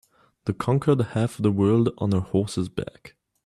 The conquered half of the world on her horse's back.